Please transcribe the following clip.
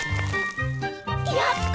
やった！